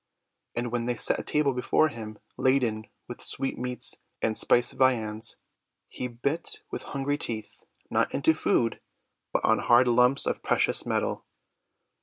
And when they set a table before him laden with sweetmeats and spiced viands, he bit with hungry teeth — not into food, but on hard lumps of precious metal.